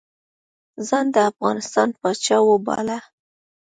ځان د افغانستان پاچا وباله.